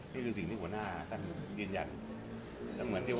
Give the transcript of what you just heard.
นี่คือสิ่งที่หัวหน้าท่านยืนยัน